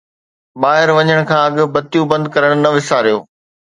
ٻاهر وڃڻ کان اڳ بتيون بند ڪرڻ نه وساريو